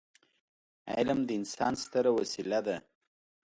علم د انسان ستره وسيله ده.